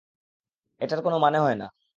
এটার কোন মানে হয়না।